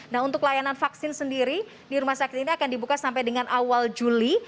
nah untuk layanan vaksin sendiri di rumah sakit ini akan dibuka sampai dengan awal juli